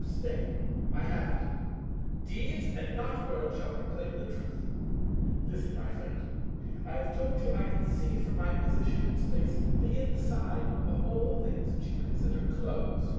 Stay, I have it. Deeds, and not words, shall proclaim the truth. Listen, my friend. I have told you I can see from my position in Space the inside of all things that you consider closed.